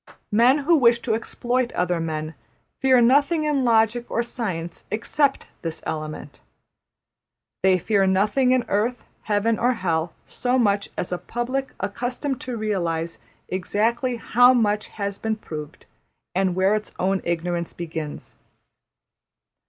Men who wish to exploit other men fear nothing in logic or science except this element. They fear nothing in earth, heaven, or hell, so much as a public accustomed to realise exactly \emph{how much has been proved, and where its own ignorance begins}.